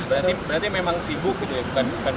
tapi pdip berarti memang sibuk kan